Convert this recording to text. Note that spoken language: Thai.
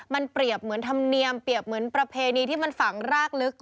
มันเปรียบเหมือนธรรมเนียมเปรียบเหมือนประเพณีที่มันฝังรากลึก